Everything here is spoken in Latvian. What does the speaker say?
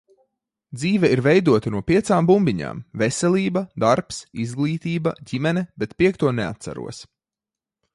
Dzīve ir veidota no piecām bumbiņām - veselība, darbs, izglītība, ģimene, bet piekto neatceros.